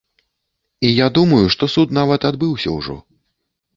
І я думаю, што суд нават адбыўся ўжо.